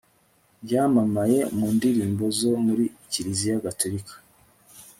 yamamaye mu ndirimbo zo muri kiliziya gatolika